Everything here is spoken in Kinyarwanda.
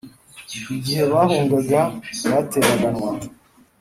”Igihe bahungaga bateraganwa,